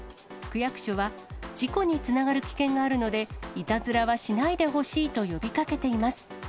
区役所は、事故につながる危険があるので、いたずらはしないでほしいと呼びかけています。